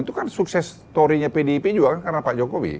itu kan sukses story nya pdip juga kan karena pak jokowi